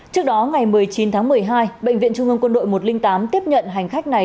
trước đó ngày một mươi chín tháng một mươi hai bệnh viện trung ương quân đội một trăm linh tám tiếp nhận hành khách này